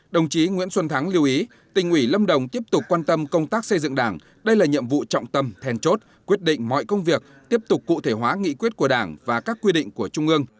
đồng chí nguyễn xuân thắng lưu ý tỉnh ủy lâm đồng tiếp tục quan tâm công tác xây dựng đảng đây là nhiệm vụ trọng tâm thèn chốt quyết định mọi công việc tiếp tục cụ thể hóa nghị quyết của đảng và các quy định của trung ương